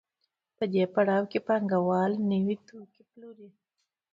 په دې پړاو کې پانګوال نوي توکي پلوري